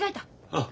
ああ。